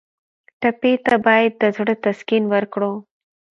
ټپي ته باید د زړه تسکین ورکړو.